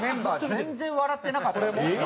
全然笑ってなかった。